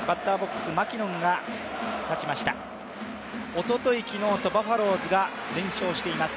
おととい、昨日とバファローズが連勝しています。